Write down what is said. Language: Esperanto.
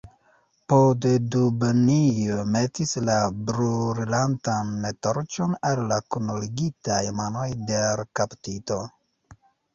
Poddubnij metis la brulantan torĉon al la kunligitaj manoj de l' kaptito.